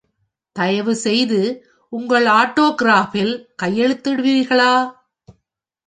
தயவுசெய்து உங்கள் ஆட்டோகிராப்பில் கையெழுத்திடுவீர்களா?